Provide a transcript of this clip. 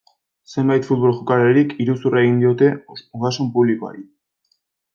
Zenbait futbol jokalarik iruzurra egin diote ogasun publikoari.